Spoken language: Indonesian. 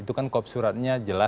itu kan kop suratnya jelas